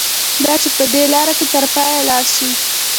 دا چې په دې لاره کې تر پایه لاړ شي.